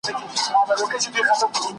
پیر اغوستې ګودړۍ وه ملنګینه .